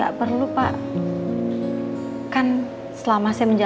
sampai jumpa di video selanjutnya